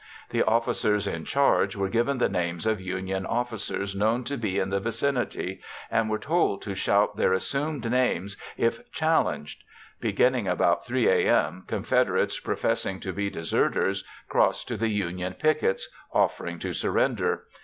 The officers in charge were given the names of Union officers known to be in the vicinity and were told to shout their assumed names if challenged. Beginning about 3 a.m., Confederates professing to be deserters crossed to the Union pickets offering to surrender.